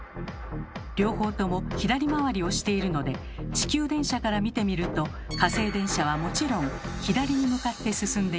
両方とも左回りをしているので地球電車から見てみると火星電車はもちろん左に向かって進んでいます。